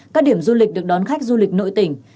các điểm du lịch được đón khách du lịch nội tỉnh